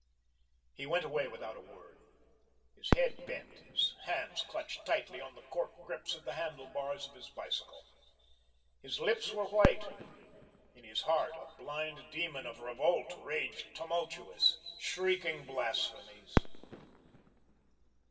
He went away without a word, his head bent, his hands clutched tightly on the cork grips of the handle bars of his bicycle. His lips were white. In his heart a blind demon of revolt raged tumultuous, shrieking blasphemies.